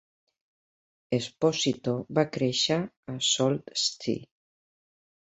Esposito va créixer a Sault Ste.